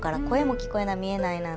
声も聞こえない見えない